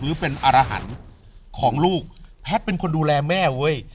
หรือเป็นอารหันต์ของลูกแพทย์เป็นคนดูแลแม่เว้ย